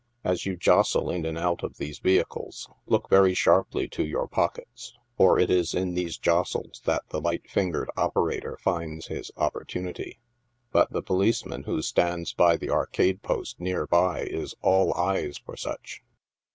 As you jostle in or out of these vehicles, look very sharply to your pockets for it is in these jostles that the light fingered operator finds his opportunity 5 but the policeman who stands by the arcade post near by is all eyes for such.